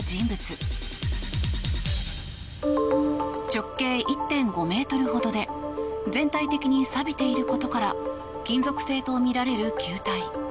直径１．５ｍほどで全体的にさびていることから金属製とみられる球体。